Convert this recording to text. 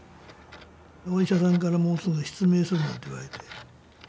お医者さんからもうすぐ失明するなんて言われて。